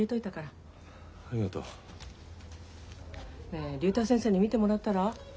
ありがとう。ねえ竜太先生に診てもらったら？